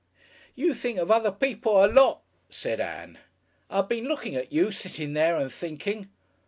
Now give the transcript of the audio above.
"You think of other people a lot," said Ann. "I been looking at you sittin' there and thinking."